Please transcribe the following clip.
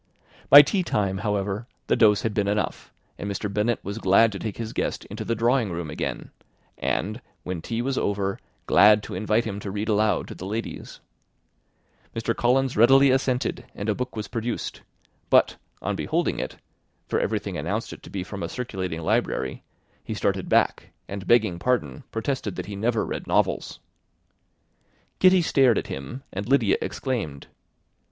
By tea time, however, the dose had been enough, and Mr. Bennet was glad to take his guest into the drawing room again, and when tea was over, glad to invite him [Illustration: "Protested that he never read novels" H.T Feb 94 ] to read aloud to the ladies. Mr. Collins readily assented, and a book was produced; but on beholding it (for everything announced it to be from a circulating library) he started back, and, begging pardon, protested that he never read novels. Kitty stared at him, and Lydia exclaimed.